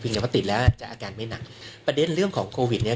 แต่ว่าติดแล้วอาจจะอาการไม่หนักประเด็นเรื่องของโควิดเนี้ย